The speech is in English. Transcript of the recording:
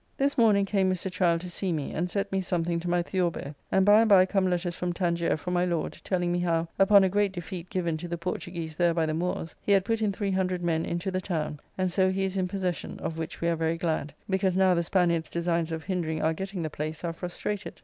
This morning came Mr. Child to see me, and set me something to my Theorbo, and by and by come letters from Tangier from my Lord, telling me how, upon a great defete given to the Portuguese there by the Moors, he had put in 300 men into the town, and so he is in possession, of which we are very glad, because now the Spaniard's designs of hindering our getting the place are frustrated.